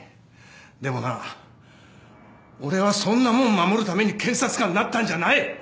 でもな俺はそんなもん守るために検察官になったんじゃない。